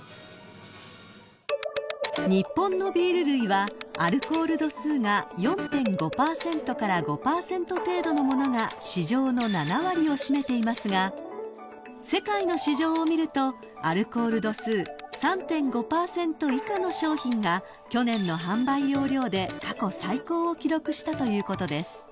［日本のビール類はアルコール度数が４．５％から５％程度の物が市場の７割を占めていますが世界の市場を見るとアルコール度数３．５％以下の商品が去年の販売容量で過去最高を記録したということです］